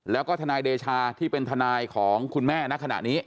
แล้วก็ทนายเดชาที่เป็นทนายของคุณแม่ณขณะนี้